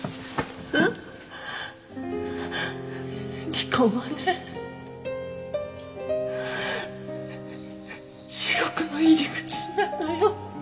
離婚はね地獄の入り口なのよ。